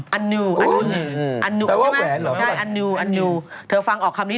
แปลว่าแหวนเหรอใช่ไหมใช่อันหนึอันหนึ